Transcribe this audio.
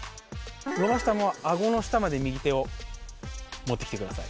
伸ばしたものをあごの下まで持ってきてください。